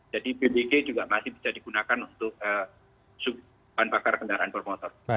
jadi bbk juga masih bisa digunakan untuk bahan bakar kendaraan bermotor